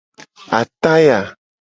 Ataya.